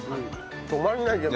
止まんないけど。